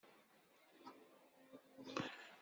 Qqlen.